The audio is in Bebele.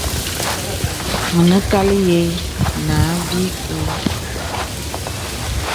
Mənə kàl àyə̀l nà ābi kū.